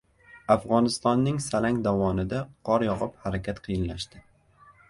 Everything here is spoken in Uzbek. Afg‘onistonning Salang dovonida qor yog‘ib harakat qiyinlashdi